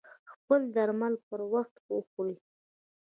خپل درمل پر وخت وخوری